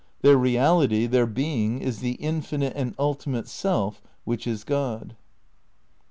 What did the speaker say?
Their reality, their being, is the infinite and ultimate Self, which is God.